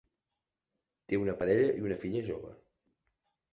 Té una parella i una filla jove.